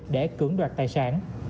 để cưỡng đoạt tài sản